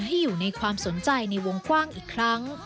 ให้อยู่ในความสนใจในวงกว้างอีกครั้ง